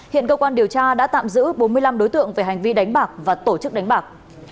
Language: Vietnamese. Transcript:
hiện cơ quan điều tra đã tạm giữ bốn mươi năm đối tượng về hành vi đánh bạc và tổ chức đánh bạc